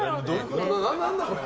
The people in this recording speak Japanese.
何だこれ？